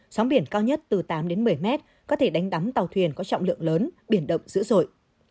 sóng biển cao nhất từ tám đến một mươi mét có thể đánh đắm tàu thuyền có trọng lượng lớn biển động dữ dội